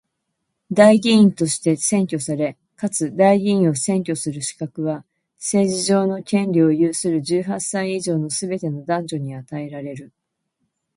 代議員として選挙され、かつ代議員を選挙する資格は、政治上の権利を有する十八歳以上のすべての男女に与えられる。